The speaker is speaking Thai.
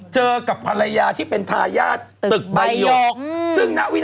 ชิคกี้หลังว่าใช่ไหมอยากจะไปย่อดรหัว